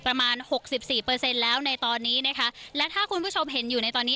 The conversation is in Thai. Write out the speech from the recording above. ประมาณ๖๔แล้วในตอนนี้นะคะและถ้าคุณผู้ชมเห็นอยู่ในตอนนี้